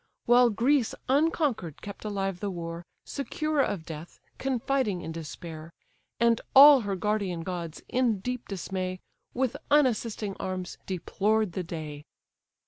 While Greece unconquer'd kept alive the war, Secure of death, confiding in despair; And all her guardian gods, in deep dismay, With unassisting arms deplored the day.